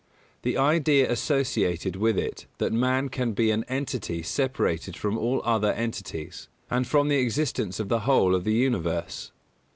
The idea associated with it that man can be an entity separated from all other entities, and from the existence of the whole of the Universe.